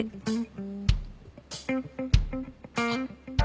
あっ。